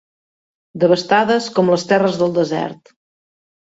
Devastades com les terres del desert.